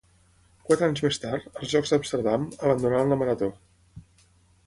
Quatre anys més tard, als Jocs d'Amsterdam, abandonà en la marató.